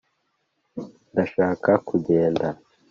Ndashaka kugenda